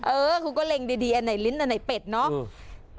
เออคุณก็เล็งดีอันไหนลิ้นอันไหนเป็ดเนาะ